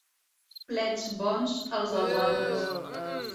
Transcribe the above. Plets bons, els dels altres.